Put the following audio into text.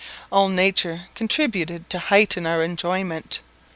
All nature contributed to heighten our enjoyment.